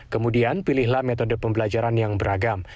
kemudian pilihlah metode pembelajaran yang beragam